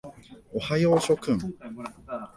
おはよう諸君。